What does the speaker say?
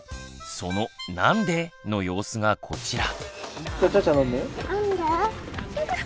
その「なんで？」の様子がこちら。